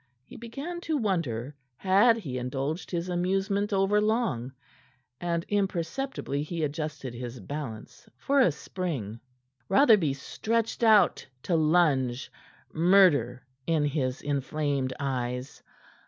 He began to wonder had he indulged his amusement overlong, and imperceptibly he adjusted his balance for a spring. Rotherby stretched out to lunge, murder in his inflamed eyes.